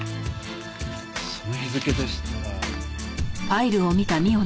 その日付でしたら。